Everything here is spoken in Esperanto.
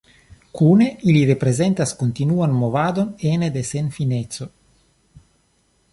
Kune, ili reprezentas kontinuan movadon ene de senfineco.